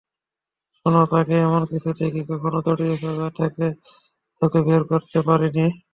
শোন, তোকে এমন কিছুতে কি কখনো জড়িয়েছি যার থেকে তোকে বের করতে পারিনি?